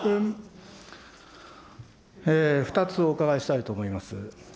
２つ、お伺いしたいと思います。